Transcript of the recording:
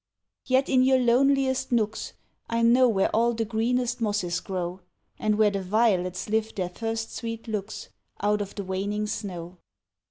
Yet in your loneliest nooks, I know where all the greenest mosses grow, And where the violets lift their first sweet looks, Out of the waning snow.